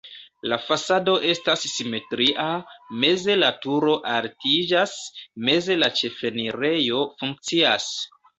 La fasado estas simetria, meze la turo altiĝas, meze la ĉefenirejo funkcias.